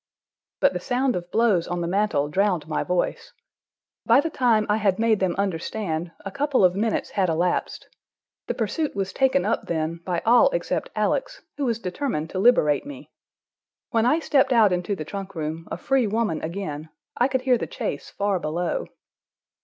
But the sound of blows on the mantel drowned my voice. By the time I had made them understand, a couple of minutes had elapsed. The pursuit was taken up then, by all except Alex, who was determined to liberate me. When I stepped out into the trunk room, a free woman again, I could hear the chase far below.